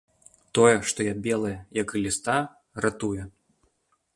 Тое, што я белая, як гліста, ратуе.